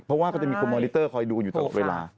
เพราะว่ามีคนมอนิเตอร์คอยดูกับเราอยู่ต้นเวลา